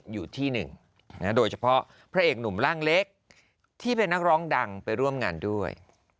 อยู่ที่หนึ่งโดยเฉพาะพระเอกหนุ่มร่างเล็กที่เป็นนักร้องดังไปร่วมงานด้วย